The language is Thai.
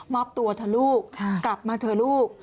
อบตัวเถอะลูกกลับมาเถอะลูก